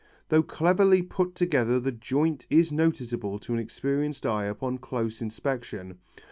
Though cleverly put together the joint is noticeable to an experienced eye upon close inspection.